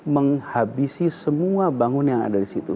menghabisi semua bangun yang ada di situ